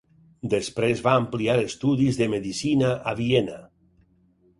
Després va ampliar estudis de medicina a Viena.